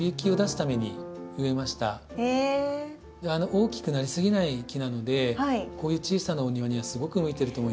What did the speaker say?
大きくなりすぎない木なのでこういう小さなお庭にはすごく向いてると思います。